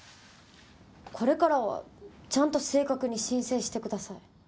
これからはちゃんと正確に申請してください。